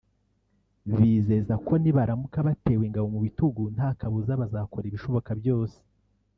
bizeza ko nibaramuka batewe ingabo mu bitugu nta kabuza bazakora ibishoboka byose